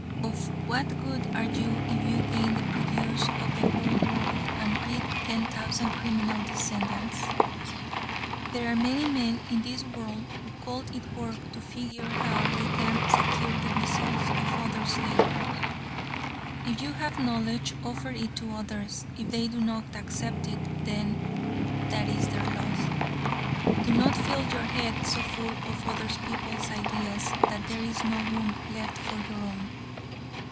Of what good are you if you gain the produce of the whole world and breed ten thousand criminal descendants. There are many men in this world who call it work to figure how they can secure the results of others' labor. If you have knowledge, offer it to others; if they do not accept it, that is their loss. Do not fill your head so full of other people's ideas that there is no room left for your own.